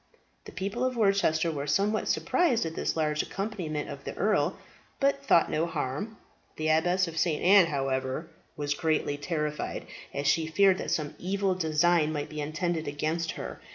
The people of Worcester were somewhat surprised at this large accompaniment of the earl, but thought no harm. The Abbess of St. Anne's, however, was greatly terrified, as she feared that some evil design might be intended against her.